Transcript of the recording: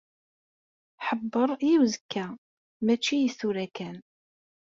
Ḥebbeṛ i uzekka, mačči i tura kan.